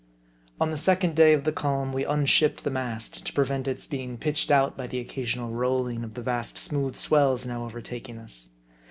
On the second day of the calm, we unshipped the mast, to prevent its being pitched out by the occasional rolling of the vast smooth swells now overtaking us.